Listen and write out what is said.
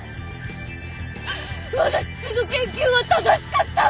わが父の研究は正しかった！